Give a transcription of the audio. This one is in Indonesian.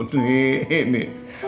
ya ampun ini